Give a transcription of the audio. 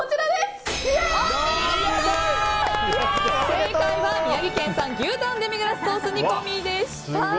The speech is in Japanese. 正解は、宮城県産牛タンデミグラスソース煮込みでした。